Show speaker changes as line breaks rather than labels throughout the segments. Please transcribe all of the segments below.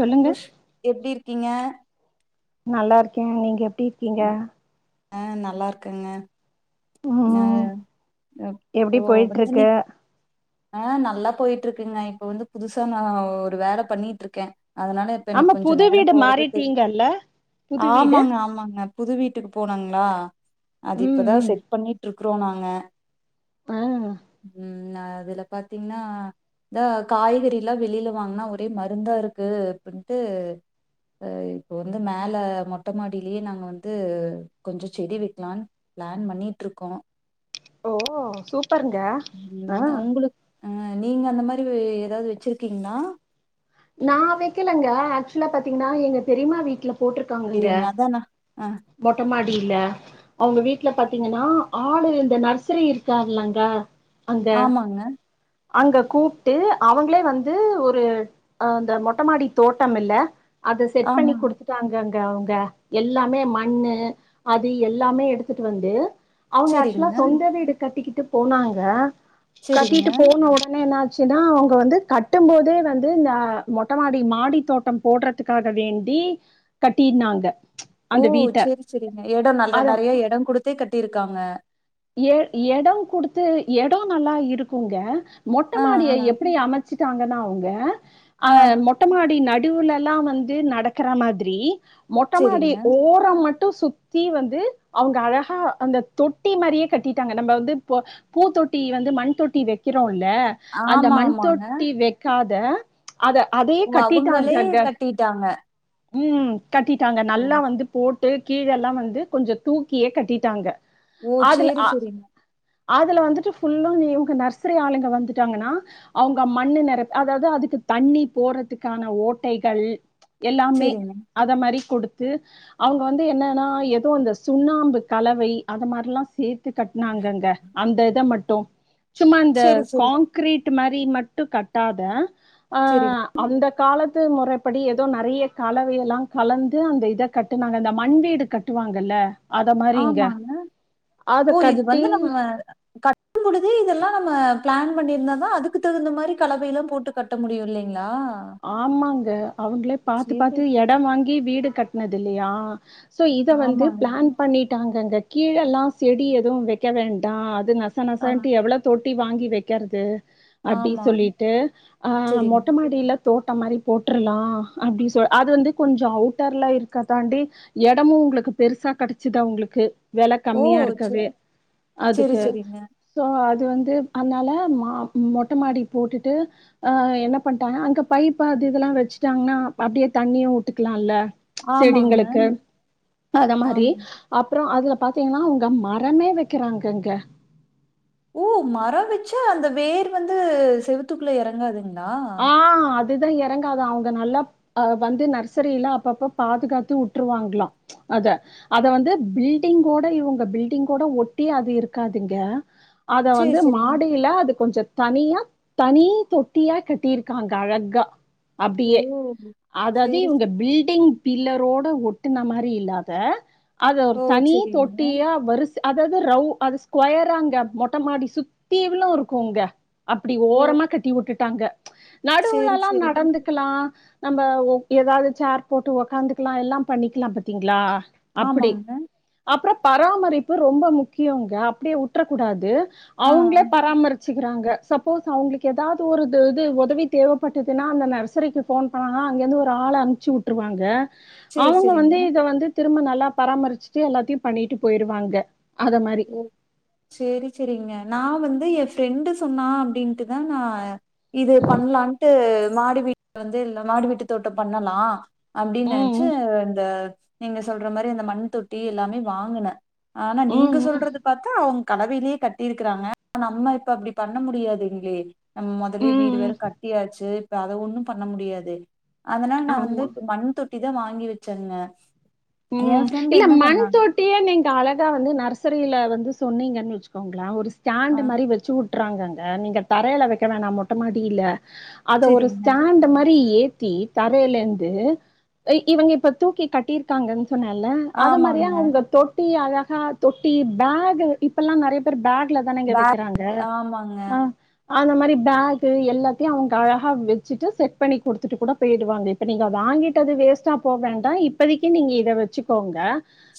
சொல்லுங்க
உஷ் எப்டி இருக் கிங்க
நல்லா இருக்கேங்கங்க எப்டிருக்கீங்க
ஹ நல்லாருக்குங்க
ம்
அஹ்
எப்டி
இப்போ வந்து நீ
போயிட்ருக்கு
ஆஹ் நல்லா போயிட்டுருக்குங்க இப்ப வந்து புதுசா நா ஒரு வேல பண்ணிட்டுருக்கே அதனால இப்ப எனக்கு
ஆமா
கொஞ்சோ
புது
நேரம்
வீடு
போறது தெரியில
மாறிட்டீங்கல்ல புது வீடு
ஆமாங்க ஆமாங்க புது வீட்டுக்கு போனாங்ளா அது
ம்
இப்பதான்
ம்
செட் பண்ணிட்ருக் குறோ நாங்க
ஆ
உம் [unintelligible] அதுல பாத்தீங்கன்னா இந்த காய்கறில்லா வெளியில வாங்னா ஒரே மருந்தா இருக்கு அப்டின்ட்டு அஹ் இப்போ வந்து மேல மொட்டை மாடிலியே நாங்க வந்து கொஞ்ச செடி வைக்கலாம்னு பிளான் பண்ணிட்ருக்கோ
ஓ சூப் ப்பர்ங்க ஆஹ்
அஹ் நீங்க அந்த மாரி எதாவது வச்சுருக்கீங்ளா
நா வைக்கலங்க ஆக்சுலா பாத்தீங்கன்னா எங்க பெரிம்மா வீட்டுல போட்டிருக்காங்கங்க
சரிங்க. அதான் நான் ஆ
மொட்டமாடி அப்புடில்ல அவுங்க வீட்டுல பாத்தீங்கன்னா ஆடு இந்த நர்சிரி இருக்கார்லாங்க
ஆமாங்க
அங்க கூப்ட்டு அவங்களே வந்து ஒரு அஹ் இந்த மொட்டைமாடி தோட்டம் இல்ல அத செட் பண்ணி
ஆமா.
குடுத்துட்டாங்க இப்ப அவுங்க எல்லாமே மண்ணு அது எல்லாமே எடுத்துட்டு வந்து அவுங்க ஆக்சுலா
சரிங்க,
சொந்த வீடு கட்டிக்கிட் ட்டு போனாங்க
சரிங்க.
கட்டிட்டு போன் வருவீன்னு ஆக்சுலா அவங்க வந்து கட்டும் போதே வந்து இந்த ஆ மொட்டமாடி மாடி தோட்டம் போடுறதுக்காக வேண்டி கட்டினாங்க
ஓ செரி செரிங்க எடோ நல்ல
அத
நெறைய எடோ குடுத்தே கட் எப்டிருக்காங்க
எ எடோ குடுத்து எடோ நல்லா இருக்குங்க
ஆ,
மொட்டமாடிய
ஆ,
எப்படி அம வச்ட்டாங்கன்னா அவங்க
ஆ.
அஹ் மொட்ட மாடி நடி முடிவுலலாம் வந்து நடக்கற மாதிரி மொட்ட மாடி
சரிங்க.
ஓர மட் [unintelligible] சுத்தி வந்து அவங்க அழகா அந்த தொட் ட்டி மாரியே கட்டிட்டாங்க நம்ப வந்து பூதொட்டி வந்து மண் தொட்டி வக்கிறோம் இல்ல அந்த
ஆமா,
மண்
ஆமாங்க.
தொட்டி வெக்காத தா அத அதையே
ஓ! அவங்களே
கட்டிட்டாங்கக
கட்டிட்டாங்க.
ம்ம் கட்டிட்டாங்க
ஓ!
நல்லா வந்து போட் ட்டு கீழெல்லாம் வந்து கொஞ்சம் தூக்கியே கட்டிட்டாங்க
ஓ
அதுல
சேரி
அ
சேரிங்க
அதுல வந்துட்டு ஃபுல்லும் நீ இவங்க நர்சரி ஆளுங்க வந்துட்டாங்கன்னா அவங்க மண்ணு நிற அதாவது அதுக்கு தண்ணி போடுறதுக்கான ஓட்டைகள் எல்லாமே
சரிங்க.
அத மரி குடுத் அது அவங்க வந்து என்னன்னா ஏதோ அந்த சுண்ணாம்பு கலவை அத மாரெல்லாம் சேர்த்து கட்னாங்கங்க அந்தத மட்டும் [unintelligible] சும்மா இந்த
சரி, சரி,
காங்க்ரீட் மரி மட்டும் கட்டாத
சரி.
ஆஹ் அந்த காலத் து மொரப்படி எ நெறைய கலவையெல்லாம் கலந்து அந்த இதை கட்டுனாங்க அந்த மண் வீடு கட்டுவாங்கல்ல அத மாரிங்க.
ஆமான
அத
ஓ இது
கட்டி
வந்து நம்ம கட்டும்பொழுது இதெல்லாம் நம்ம பிளான் பண்ணியிருந்தா தான் அதுக்கு தகுந்த மாரி கலவையல்லாம் போட்டு கட்ட முடியும் இல்லீங்க
ஆமாங்க அவுங்களே பாத்து
சரி.
பாத்து எடம் வாங்கி வீடு கட்னதில்லியா சோ இத வந்து
ஆமாங்க.
பிளான் பண்ணிட் ட்டாங்கங்க கீழேல்லாம் செடி எதுவும் வெக்க வேண்டாம் நச
ஆ,
நசன்டு எவ்ளோ தோட் ட்டி வாங்கி வெக்கறது அப்டி
ஆமா.
சொல்லிட்டு அஹ்
சரிங்க.
மொட்ட மாடில தோட்டம் மாரி போட்ரலாம் அப்டி சொ அது வந்து கொஞ்சம் அவுட்டர்ல இருக்க தாண்டி எடமும் உங்ளுக்கு பெருசா கெடச்சுதா அங்ளுக்கு வில
ஓ!
கம்மியா
சே
இருக்கவே
சரி,
அதுக்கு
சரிங்க.
சோ அ அது வந்து அதனால மா மொட்டை மாடி போட்டுட்டு ஹ என்ன பண்ணாங்க அங்க பைப்பு அது இதெல்லாம் வச்சுட்டாங்க அப் அப்டியே தண்ணி ஊட்டுக்கலாம்ல
ஆமாங்க,
செடிங்களுக்கு அத மாரி
ஆமாங்க.
அப்பறம் அதுல பாத்தீங்கன்னா உங்க மரமே வைக்கிறாங்க இங்க
ஓ மரம் வச்சா அந்த வேர் வந்து செவுத்துக்குல இறங்காதுங்க
ஆ அ அதுதான் இறங்கது அவங்க நல்லாஹ வந்து நர்சரியில அப்பப்ப பாதுகாத்து வுட்டுருவாங்களாம் அத அத வந்து பில்டிங்கோட இவங்க பில்டிங்கோட ஒட்டி அது இருக்காதீங்க அத
சரி,
வந்து
சரிங்க.
மாடியில அது கொஞ்சம் தனியா தனி தொட்டியா கட் டிருக்காங்க இருக்காங்க அழகா
ஓ!
அப்டியே அதாவது
சரி,
இவங்க
சரி.
பில்டிங் பில்லர் ரோட ஒட்டுன மாரி இல்லாத அது ஒரு
ஓ!
தனி
சரிங்க.
தொட்டியா வருச அதாவது ரவ் அது ஸ்கொயராங்க மொட்டை மாடி சுத்திலும் இருக்கும்ங்க அப்டி
ஓ!
ஓரமா கட்டி வுட்டுட்டு தங்க
சரி,
நடுவுலல்லாம்
சரிங்க.
நடந்துக்கலாம் நம்ம ஒ ஏதாவது சேர் போட்டு உக்காந்துக்கலாம் எல்லாம் பண்ணிக்கலாம் பாத்தீங்களா அப்டி
ஆமாங்க.
அப்பறம் பராமரிப்பு ரொம்ப முக்கியங்க அப்டியே உற்றக்கூடாது
ஆ, ஆ.
அவங்களே பராமரிச்சு இருக்கிறாங்க சப்போஸ் அவங்களுக்கு ஏதாவது ஒரு து உதவி தேவைப்பட்டதுன்னா அந்த நர்சரிக்கு ஃபோன் பண்ணாங்கா அங்கேருந்து ஒரு ஆள அனுப்பச்சி விட்டுருவாங்க
சரி,
அவங்க
சரிங்க.
வந்து இத வந்து திரும்ப நல்ல எல்லாம் பராமரிச்சுட்டு எல்லாத்தையும் பண்ணிட்டு போயிருவாங்க அத மாரி.
ஓ செரி செரிங்க நான் வந்து எப் ப்ரெண்டு சொன்னா அப்டின்ட்டுதான் நான இது பண்ணலான்ட்டு மாடி வீட்டு வந்து இந்த மாடி வீட்டு தோட்டம் பண்ணலாம் அப்டின்னு நினைச்சு
ம்.
இந்த நீங்க சொல்ற மாரி அந்த மண் தொட்டி எல்லாமே வாங்குனேன் ஆனா
ம்.
நீங்க
ம்.
சொல்றது பாத்தா அவங்க கலவையிலேயே கட்டிருக்கிறாங்க ஆன நம்ம இப்ப அப்டி பண்ண முடியாதுங்களே நம் கத்துலயே வீடு
ம்.
வேற கட்டியாச்சு இப்ப அத ஒண்ணும் பண்ண முடியாது அதனால நான் வந்து
ஆமா.
மண் தொட்டி இதன் தான் வாங்கி வச்சிருந்தேன்
உம் இல்ல மண் தொட்டியே நீங்க அழகா வந்து நர்சரியில வந்து சொன்னீங்கன்னு வச்சுக்கோங்கலே ஒரு
ஆ
ஸாண்ட் மாதிரி வச்சு விட்டுறாங்கங்க நீங்க தரையில வைக்க வேணாம் மொட்ட மாடில அது ஒரு
சேரிங்க
ஸ்டாண்ட் மாரி ஏ தி தரையிலருந்து இவங்க இப்ப தூக்கி கட்டிருக்க [unintelligible] சொன்னேல அது மாதிரியா
ஆமாங்க
அவங்க தொட்டு அழகா தொட்டி பேகு இப்பெல்லாம் நிறைய பேர் பேக் ல தானேங்க
பேக்
வைக்கிறாங்க
ஆமாங்க
ஆஹ் அந்த மாதிரி பேக்கு எல்லாத்தையும் அவங்க அழகா வச்சுட்டு செட் பண்ணி கொடுத்துட்டு கூட போயிடுவாங்க இப்ப நீங்க வாங்கிட்டு அது வேஸ்ட்டா போ வேண்டாம் இப்பதை நீங்க இதை வச்சுக்கோங்க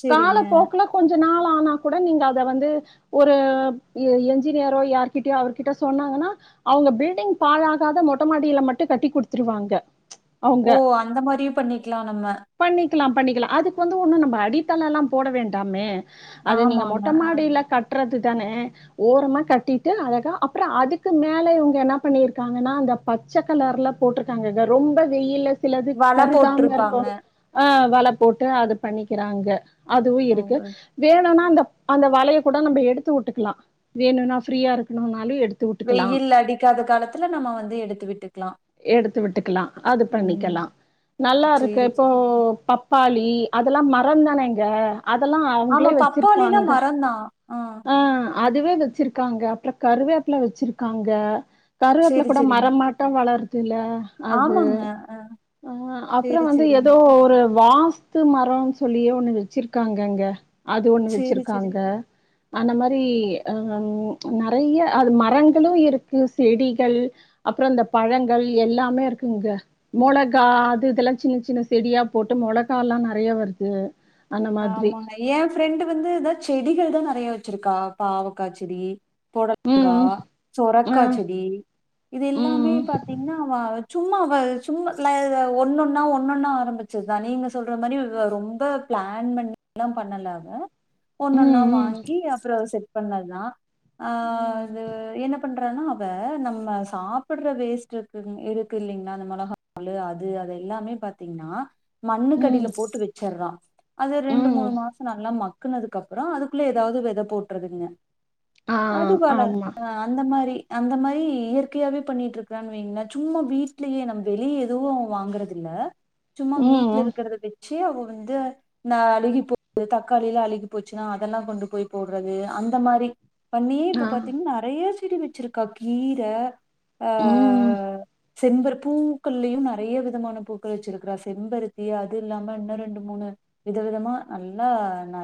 செரிங்க
காலப்போக்கல கொஞ்ச நாள் ஆனா கூட நீங்க அத வந்து ஒரு என்ஜினியரோ யார்கிட்யோ அவர் கிட்ட சொன்னாங்கன்னா அவங்க பில்டிங் பாழாகாத மொட்டை மாடியில மட்டும் கட்டிகொடுத்துருவாங்க
ஓ அந்த மாதிரியும் பண்ணிக்கலாம் நம்ம
பண்ணிக்கலாம் பண்ணிக்கலாம் அதுக்கு வந்து ஒன்னும் நம்ம அடித்தளம் எல்லாம் போட வேண்டாமே அத நீங்க
ஆமாங்க
மொட்ட மாடியில கட்ட றது தானே ஓரமா கட்டிட்டு அழகா அப்புறம் அதுக்கு மேல இவங்க என்ன பண்ணிருக்காங்கன்னா பச்சை கலர்ல போட்டிருக்காங்க ரொம்ப வெயில சிலது
வல
கருக்காம
போட்ருப்பாங்க
இருக்கும் ஹ வலை போட்டு அது பண்ணிக்கிறாங்க அதுவும்
ஓ
இருக்கு வேணும்னா அந்த அந்த வலையை கூட நம்ம எடுத்து வுட்டுக்கலாம் வேணும்னா பிரீயா இருக்கணுனாலே எடுத்து விட்டுக்கலாம்.
வெயில் அடிக்காத காலத்துல நம்ம வந்து எடுத்து விட்டுக்கலாம்
எடுத்து விட்டுக்கலா அது
உம்
பண்ணிக்கலா நல்லா இருக்கு
சேரி
இப்போ
சேரி
பப்பாளி அதெல்லாம் மரம் தானேங்க அதெல்லா
ஆமா
அவங்களே
பப்பாளிலாம்
வச்சிருக்காங்க
மரந்தான்
ஆ அதுவே வச்சிருக்காங்க அப்றோ கருவேப்ல வச்சிருக்காங்க கருவேப்புல
சேரி
கூட
சேரிங்க
மரமாட்டம் வளருது துல அது
ஆமாங்க
ஆஹ் அப்புறம்
சேரி
வந்து
சேரிங்க
ஏதோ ஒரு வாஸ்து மரொனு சொல்லியே ஒண்ணு வச்சிருக்காங்கங்க அது ஒண்ணு
சேரி சேரி
வச்சிருக்காங்க அந்த மாரி அ நெறைய அது மரங்களும் இருக்கு செடிகள் அப்பறம் இந்த பழங்கள் எல்லாமே இருக்கு இங்க மொளகா அது இதெல்லாம் சின்ன சின்ன செடியா போட்டு மொளகா எல்லாம் நெறைய வருது அந்த மாதிரி
ஆமாங்க என் ஃப்ரெண்டு் வந்துான் செடிகள் தான் நெறைய வச்ச வச்சிருக்கா பாவக்கா செடி பொடலங்கா
ம் ம் ஆ
சொரக்கா செடி இது எல்லாமே
ம்
பாத்தீங்கன்னாஅவ சும்மா சும்மா ஒன்னொன்னா ஒன்னொன்னா ஆரம்பிச்சதுதான் நீங்க சொல்ற மாரி ரொம்ப பிளான் பண்ணில்லாம் பண்ணல அவ ஒன்னொன்னா
ம் ம்
வாங்கி அப்பறம் செட் பண்ணதுதான் ஆ
ம்
இது என்ன பண்றன்னா அவ நம்ம சாப்பட்ற வேஸ்ட் இருக்கு இருக்கு இல்லிங்களா அந்த மிளக தோலு அது அது எல்லாமே பாத்தீங்கன்னா
ம் ம்
மண்ணுக்கடியில போட்டு வச்சறான் அது ரெண்டு மூணு
ம்
மாசம் நல்லா மக் க்குனதுக்கு அப்பறம் அதுக்குள்ள ஏதாவது வித போட்டுறதுங்க
ஆ
அது போல
ஆமா
அந்த மாரி அந்த மாரி இயற்கையாவே பண்ணிட்டு இருக்கறான்னு வைங்களே சும்மா வீட்லேயே நம்ம வெளிய எதுவும் வாங்கறது இல்ல சும்மா
ம்
வீட்ல
ம்
இருக்கறத வெச் கிழ அவ வந்து நான அழுகி போன தக்காளிலாம் அழுகி போச்சுன்னா அதெல்லாம் கொண்டு போய் போடுறது அந்த மாரி பண்ணியே இப்ப
ஆ
பாத்தீங்கன் நெறய செடி வச்சிருக்கா கீர அஹ
ம்
ஹ் செம்பர் பூக்கள்லயும் நெறைய விதமான பூக்கள் வச்சிருக்கிறா செம்பருத்தி அது இல்லாம இன்னும் ரெண்டு மூணு வித விதமா நல்லா ந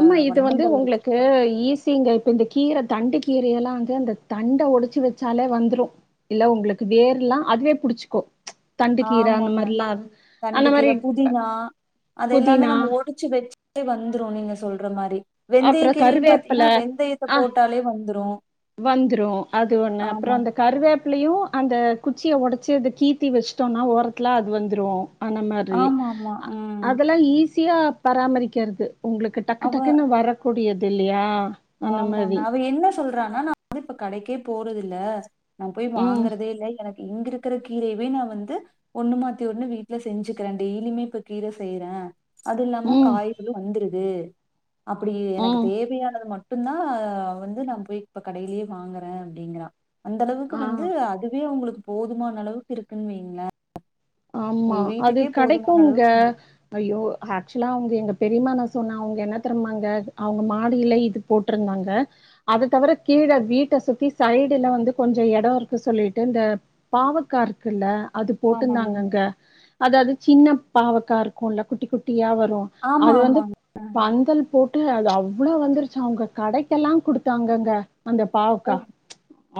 ஆம்மா இது வந்து ஒங்களுக்கு ஈசிங்க இப்ப இந்த கீர தண்டு கீர எல்லாம் வந்து அந்த தண்ட ஒடைச்சு வச்சாலே வந்துரும் இல்ல உங்களுக்கு வேர் எல்லாம் அதுவே புடிச்சுக்கோம்
ஆமாங்க தண்டு
அந்த
கீர
மாரி
புதினா அதெல்லாமே
புதினா,
நம்ம ஒடிச்சு வச்சு வந்துரும் நீங்க சொல்ற மாரி வெந்தய
அப்புறம்
கீரனு
கருவேப்பில
பாத்தீங்கன்னா வெந்தயத்த
ஆ
போட்டாலே வந்துரும்
வந்துரும் அது ஒண்ணு அப்பறம் அந்த கருவேப் லையும் அந்த குச்சியை ஒடச்சு அத கீத்தி வச்சுட்டோம்னா ஓரத்துல அது வந்துரும் அந்த மாரி
ஆமாமா. ம்.
அதெல்லாம் ஈசி சியா பராமரிக்றது உங்களுக்கு டக்கு
அவ
டக்குன்னு வரக்கூடியது இல்லியா
ஆமாங்க அவ என்ன சொல்றானா நான அது இப்ப கடக்கே போறது இல்ல நா போய்
ம்.
வாங்கறதே இல்ல எனக் இங்க இருக்கிற கீரையவே நா வந்து ஒண்ணு மாத்தி ஒண்ணு வீட்ல செஞ்சுக்கிறே டெய்லியுமே இப்ப கீரை செய்யறே அது இல்லாம
ம்.
காய்களு வந்துருது அப்படி எனக்கு
ம்.
தேவையானது மட் மட்டும்தான் வந்து நான் போய் இப்ப கடையிலேயே வாங்குறேன் அப்படிங்கறான் அந்த அளவுக்கு
ஆ.
வந்து அதுவே அவங்களுக் போதுமான அளவுக்கு இருக்குன்னு வைங்களே
ஆமா அது கெடைக்குமங்க
அளவுக்கு வந்துரு
ஐயோ ஆக்சுவலா அவங்க எங்க பெரியமா சொன்ன அவங்க என்ன தெரியுமாங்க அவங்க மாடியில இது போட்டிருந்தாங்க அத தவிர கீழ வீட்ட சுத்தி சைடுல வந்து கொஞ்ச இடம் இருக்கு சொல்லிட்டு இந்த பாவக்கா இருக்குல அது
ஆமாங்க.
ட்ருந்தாங்க அங்க அது அதுக் சின்ன பாவக்கா இருக்குல்ல குட்டி குட்டியா [unintelligible]
ஆமா,
அது வந்து
ஆமாங்க.
பந்தல் போட்டு அது அவ்வளவு வந்துருச்சு அவங்க கடைக்கெல்லா கொடுத்தாங்கங்க அந்த
ஓ!
பாவக்கா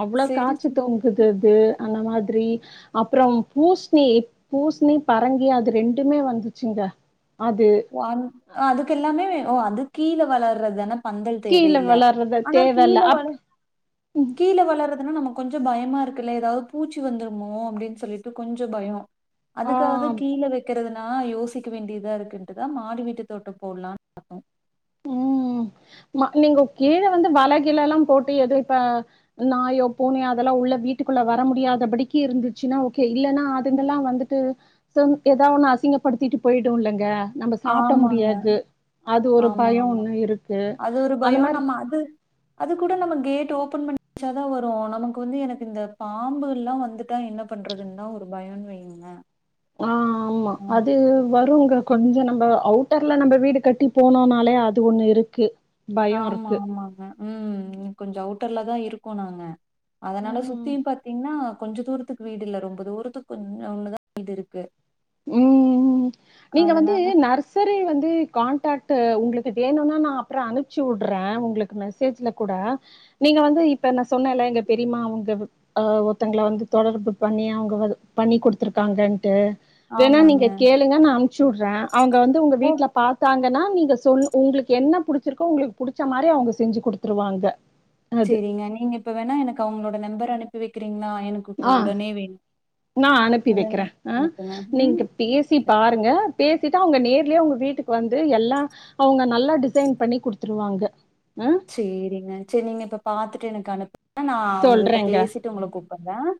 அவ்ளோ
சரி,
காச்சு
சரி.
தொங்குது அந்த மாதிரி அப்புறம் பூ பி பூசணி பரங்கி அது ரெண்டுமே வந்துச்சுங்க அது
வன் அதுக்கெல்லாமே ஆ அது கீழே வளர்றதுதான பந்தல்
கீழே
தேவையில்ல
வளர்றது
ஆனா கீழ
தேவையில்ல
வள
அப்
கீழே வளர்துன்னா நமக்கு கொஞ்ச பயமா இருக்குல்ல ஏதாவது பூச்சி வந்துருமோ அப்டின்னு சொல்லிட்டு கொஞ்சொ பயோ அதுக்காகதா
ஆஹ்
கீழ வைக்கிறது ஆ யோசிக்க வேண்டியதா இருக்குன் ட்டுதா மாடி வீட்டு தோட்டோ போடலான்னு பாத்தோ
உம் ம நீங்க கீழ வந்து வல கிலல்லா போட்டு ஏதோ இப்ப நாயோ பூனையோ அதெல்லா உள்ள வீட்டுக்குள்ள வர முடியாதபடிக்கு இருந்துச்சுன்னா ஓகே இல்லன்னா அதுங்கெல்லா வந்துட்டு செஞ் ஏதோன்னு அசிங்கப்படுத்திட்டு போயிடு இல்லங்க நம்ம சாப்ட
ஆமாங்க
முடியாது அது ஒரு
ஆமா
பயோ
ஆமா
ஒண்ணு இருக்கு
அது ஒரு
அந்த
பயோ
மாரி
நம்ம அது அது கூட நம்ம கேட் ஓப் ஓப்பன் பண்ணி வச்சாதா வரு நமக்கு வந்து எனக்கு இந்த பாம்புகள்லா வந்துட்டா என்ன பண்றதுன்னுதா ஒரு பயோன்னு வைங்களே
ஆஹ் ஆமா
ம்
அது வருங்க கொஞ்ச நம்ப அவுட்டர்ல நம்ப வீடு கட்டி போனோன்னாலே அது ஒண்ணு இருக்கு பயோ
ஆமா
இருக்கு
ஆமாங்க உம் கொஞ்சோ அவுட்டர்லதா இருக்கோ நாங்க அதனால
ம்
சுத்தியு பாத்தீங்கன்னா கொஞ்ச தூரத்துக்கு வீடு இல்ல ரொம்ப தூரத்துக்கு கொஞ்ச ஒண்ணுதா வீடு இருக்கு
உம் நீங்க வந்து
அதனால
நர்சரி வந்து கான்டாக்ட் உங்களுக்கு வேணுன்னா நான் அப்ரோம் அனுப்புச்சி வுடுறேன் உங்களுக்கு மெசேஜ்ல கூட நீங்க வந்து இ இப்ப நான் சொன்னேல்ல எங்க பெரிமா உங்க அஹ் ஒருத்தங்கள வந்து தொடர்பு பண்ணி அவங்க பண்ணி குடுத்துருக்காங்கன்ட்டு வேணா
ஆமாங்க
நீங்க கேளுங்க நான் அனுப்ச்சி வுடுறேன் அவங்க வந்து உங்க
ஓ
வீட்டுல பாார்த்தாங்க நீங்க சொ உங்களுக்கு என்ன புடிச்சிருக்கோ உங்களுக்கு புடிச்ச மாதிரி அவங்க செஞ்சு கொடுத்துருவாங்க
சரிங்க நீங்க இப்ப வேணா எனக்கு அவங்களோட நம்பர் அனுப்பி வைக்கிறீங்களா எனக்கு இப்ப
ஆஹ்
உடனே வேணு
நான் அனுப்பி
உடனே
வைக்கிறேன் ஆஹ்
அனுப்புங்க ம்
நீங்க பேசி
ச-
பாருங்க பேசிட்டு அவங்க நேர்லயே அவங்க வீட்டுக்கு வந்து எல்லாம் அவங்க நல்லா டிசைன் பண்ணி குடுத்துருவாங்க ஆ.
சேரிங்க சேரி நீங்க இப்ப பாத்துட்டு எனக்கு அனு நான் உங்ககிட்ட
சொல்றேங்க.
பேசிட்டு உங்களுக்கு அத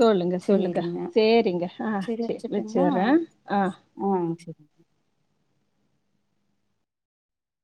சொல்லுங்க சொல்லுங்க சேரிங்க ஆஹ்
சரி
சேரி
வச்சுட்டுங்களா
வச்சுறேன் ஆஹ்
ஆ சரி